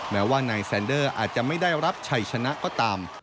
แม้ว่านายแซนเดอร์อาจจะไม่ได้รับชัยชนะก็ตาม